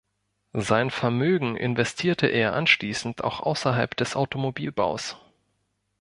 Sein Vermögen investierte er anschließend auch außerhalb des Automobilbaus.